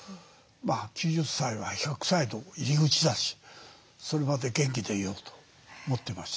９０歳は１００歳の入り口だしそれまで元気でいようと思ってました。